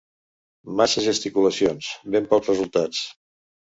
Massa gesticulacions, ben pocs resultats.